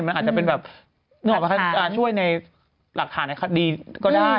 มันอาจจะเงิ่มแบบช่วยในหลักฐานในคดีก็ได้